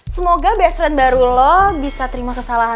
semoga best ring baru lo bisa terima kesalahan lo